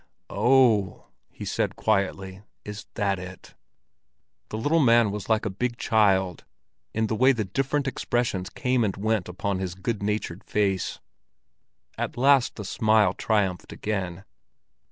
"Oh!" he said quietly. "Is that it?" The little man was like a big child in the way the different expressions came and went upon his good natured face. At last the smile triumphed again.